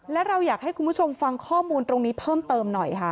และเราอยากให้คุณผู้ชมฟังข้อมูลตรงนี้เพิ่มเติมหน่อยค่ะ